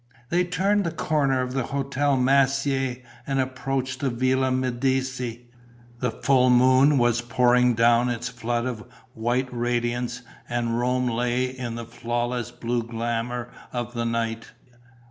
They turned the corner of the Hotel Massier and approached the Villa Medici. The full moon was pouring down its flood of white radiance and Rome lay in the flawless blue glamour of the night.